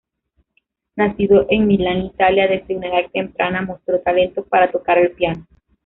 Nacido en Milán, Italia, desde una edad temprana mostró talento para tocar el piano.